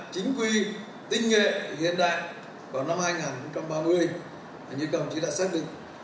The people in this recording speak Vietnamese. chính quy tinh nghệ hiện đại vào năm hai nghìn ba mươi như cầm chỉ đã xác định